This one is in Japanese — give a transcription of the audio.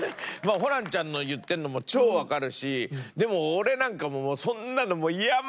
ホランちゃんの言ってるのも超わかるしでも俺なんかもうそんなの山ほど。